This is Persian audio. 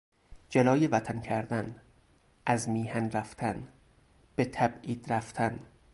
جلای وطن کردن، از میهن رفتن، به تبعید رفتن